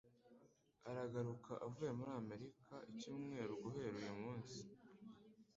Aragaruka avuye muri Amerika icyumweru guhera uyu munsi.